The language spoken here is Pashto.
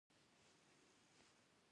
ایا لاس نیوی کوئ؟